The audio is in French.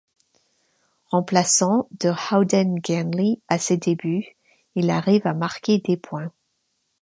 Remplaçant de Howden Ganley à ses débuts, il arrive à marquer des points.